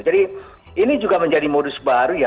jadi ini juga menjadi modus baru ya